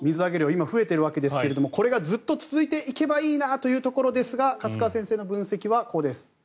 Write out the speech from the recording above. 今、増えているわけですがこれがずっと続いていけばいいなというわけですが勝川先生の分析はこうです。